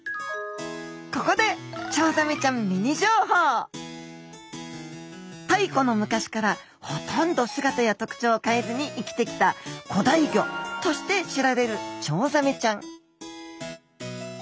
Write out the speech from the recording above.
ここで太古の昔からほとんど姿や特徴を変えずに生きてきた古代魚として知られるチョウザメちゃん。